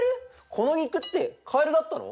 この肉ってかえるだったの！？